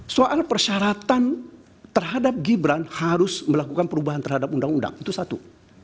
soal persyaratan terhadap gibran harus melakukan perubahan terhadap undang undang itu satu